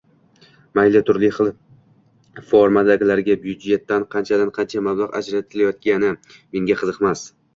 Mayli turli xil formadagilarga byudjetdan qanchadan-qancha mablag‘ ajratilayotgani menga qiziqmas.